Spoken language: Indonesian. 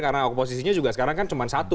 karena oposisinya juga sekarang kan cuma satu